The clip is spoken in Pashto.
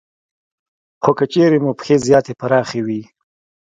خو که چېرې مو پښې زیاتې پراخې وي